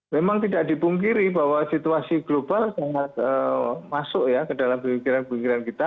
memang tidak dipungkiri bahwa situasi global sangat masuk ya ke dalam pemikiran pemikiran kita